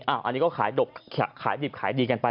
อันนี้ก็ขายดีกันไป